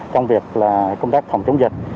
trong việc công tác phòng chống dịch